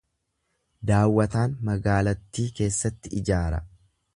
Daawwataan magaalattii keessatti ijaara.